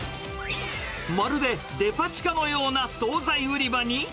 まるでデパ地下のような総菜売り場に。